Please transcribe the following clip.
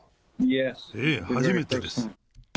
ええ、初めてです。